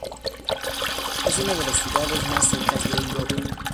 Es una de las ciudades más secas de Europa.